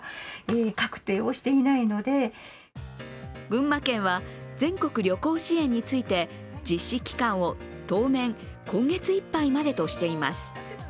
群馬県は全国旅行支援について実施期間を当面、今月いっぱいまでとしています。